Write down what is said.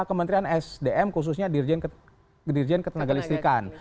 kementerian sdm khususnya dirjen ketenagalistikan